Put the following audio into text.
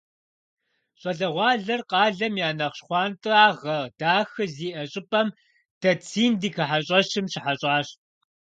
Щӏалэгъуалэр къалэм я нэхъ щхъуантӏагъэ дахэ зиӏэ щӏыпӏэм дэт «Синдикэ» хьэщӏэщым щыхьэщӏащ.